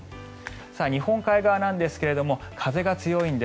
日本海側ですが風が強いんです。